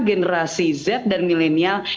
generasi z dan milenial